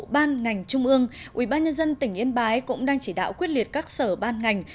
ban ngành trung ương ubnd tỉnh yên bái cũng đang chỉ đạo quyết liệt các sở ban ngành